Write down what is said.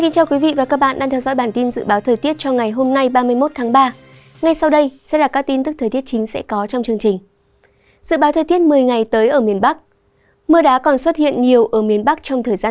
các bạn hãy đăng ký kênh để ủng hộ kênh của chúng mình nhé